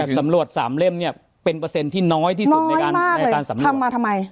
แบบสำรวจ๓เล่มเป็นเปอร์เซนที่น้อยที่สุดในการสำรวจ